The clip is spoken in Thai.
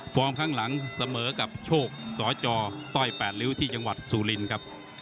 ข้างหลังเสมอกับโชคสจต้อย๘ริ้วที่จังหวัดสุรินครับ